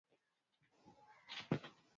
tukitaka tuwe na demokrasia ya vyama